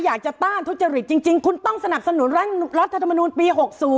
อยากจะต้านทุชภิกษ์จริงคุณต้องสนับสนุนรัฐธรรมนุนปี๖๐